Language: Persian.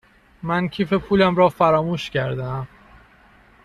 من کیف پولم را فراموش کرده ام.